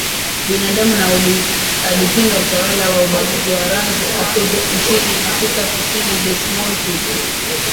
binadamu na alipinga utawala wa ubaguzi wa rangi Aparthied nchini Afrika Kusini Desmond Tutu